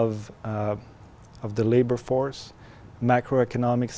và tính năng lực của chính quyền và chính quyền